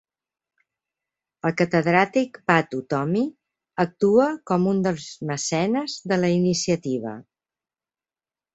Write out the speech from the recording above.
El catedràtic Pat Utomi actua com un dels mecenes de la iniciativa.